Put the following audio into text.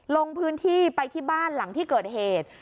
ลงพื้นที่ไปที่บ้านหลังที่เกิดเหตุ